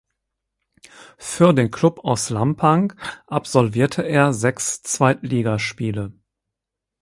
Für den Club aus Lampang absolvierte er sechs Zweitligaspiele.